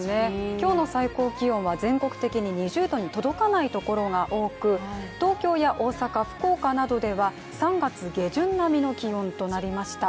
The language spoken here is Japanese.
今日の最高気温は全国的に２０度に届かないところが多く東京や大阪、福岡などでは３月下旬並みの気温となりました。